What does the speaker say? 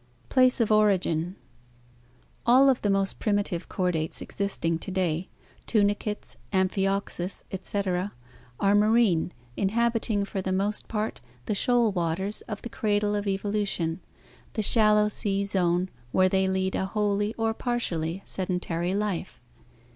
Place of Origin All of the most primitive chordates existing to day — tunicates, Amphioxus, etc. — are marine, inhabiting for the most part the shoal waters of the "cradle of evolution," the shallow sea (see page 71) zone, where they lead a wholly or partially sedentary life.